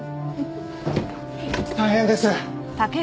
大変です！